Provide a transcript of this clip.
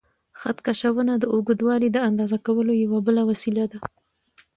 خط کشونه د اوږدوالي د اندازه کولو یوه بله وسیله ده.